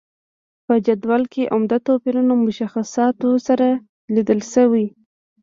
په جدول کې عمده توپیرونه مشخصاتو سره لیدلای شو.